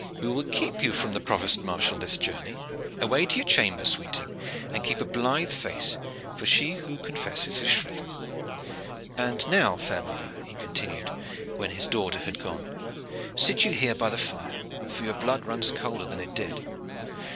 We will keep you from the provost marshal this journey. Away to your chamber, sweeting, and keep a blithe face, for she who confesses is shriven. And now, fair mother," he continued, when his daughter had gone, "sit you here by the fire, for your blood runs colder than it did.